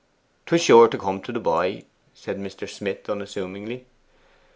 ''Twas sure to come to the boy,' said Mr. Smith unassumingly.